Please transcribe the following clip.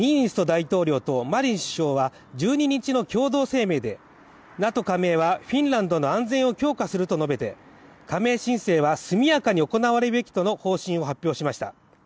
大統領とマリン首相は１２日の共同声明でＮＡＴＯ加盟はフィンランドの安全を強化すると強調し加盟申請は速やかに行われるべきとの方針を発表しました。